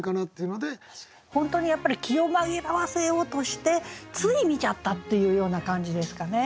本当にやっぱり気を紛らわせようとしてつい見ちゃったっていうような感じですかね。